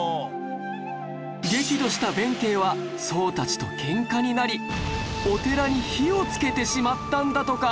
激怒した弁慶は僧たちとケンカになりお寺に火をつけてしまったんだとか